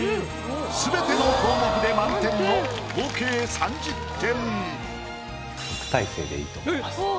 すべての項目で満点の合計３０点。